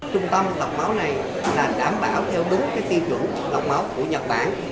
trung tâm lọc máu này là đảm bảo theo đúng tiêu chuẩn lọc máu của nhật bản